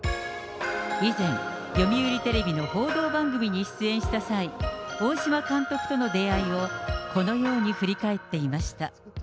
以前、読売テレビの報道番組に出演した際、大島監督との出会いを、このように振り返っていました。